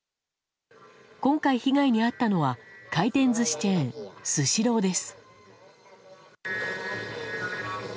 今回、被害に遭ったのは回転寿司チェーン、スシローです。